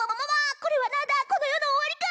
これは何だこの世の終わりか？